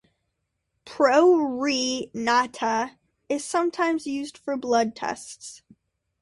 "Pro re nata" is sometimes used for blood tests.